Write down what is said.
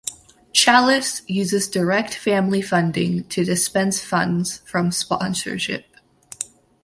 Chalice uses direct family funding to dispense funds from sponsorship.